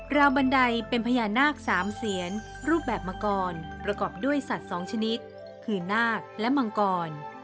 วบันไดเป็นพญานาค๓เสียนรูปแบบมังกรประกอบด้วยสัตว์๒ชนิดคือนาคและมังกร